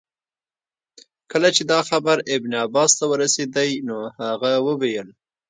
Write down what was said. کله چي دا خبر ابن عباس ته ورسېدی نو هغه وویل.